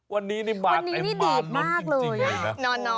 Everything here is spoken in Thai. วันนี้นี่บางไอ้บางน้นจริงเลยนะ